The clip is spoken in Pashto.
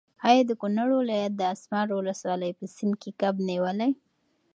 ایا د کونړ ولایت د اسمار ولسوالۍ په سیند کې کب نیولی؟